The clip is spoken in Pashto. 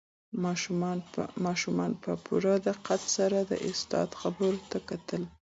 ماشومانو په پوره دقت سره د استاد خبرو ته کتل.